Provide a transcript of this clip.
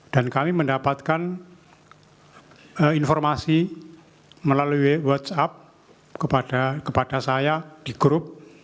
dan kami mendapatkan informasi melalui whatsapp kepada saya di grup